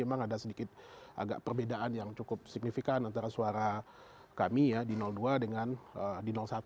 memang ada sedikit agak perbedaan yang cukup signifikan antara suara kami ya di dua dengan di satu